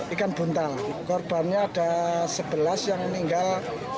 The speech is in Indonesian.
ikan buntal korbannya ada sebelas yang meninggal